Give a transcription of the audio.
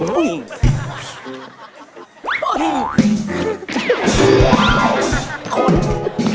อุ๊ย